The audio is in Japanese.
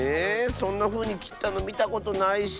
そんなふうにきったのみたことないし。